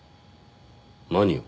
何を？